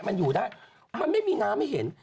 มันอยู่ได้มันไม่มีน้ำให้เห็น